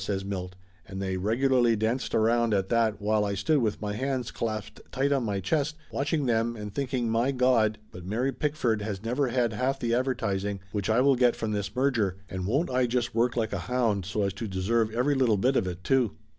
says Milt, and they regu Laughter Limited 335 larly danced around at that while I stood with my hands clasped tight on my chest, watching them and thinking my Gawd but Mary Pick ford has never had half the advertising which I will get from this merger and won't I just work like a hound so as to deserve every little bit of it too